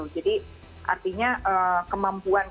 jadi artinya kemampuan rumah sakit